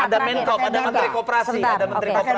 ada menteri koperasi